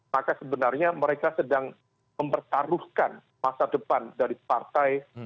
maka sebenarnya mereka sedang mempertaruhkan masa depan dari partai